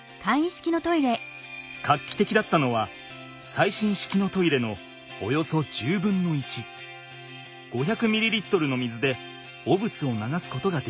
画期的だったのは最新式のトイレのおよそ１０分の１５００ｍｌの水で汚物を流すことができること。